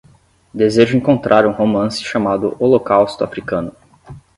Desejo encontrar um romance chamado Holocausto Africano